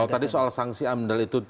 kalau tadi soal sanksi amdal itu